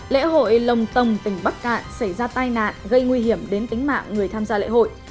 lễ hội lồng tồng tỉnh bắc cạn xảy ra tai nạn gây nguy hiểm đến tính mạng người tham gia lễ hội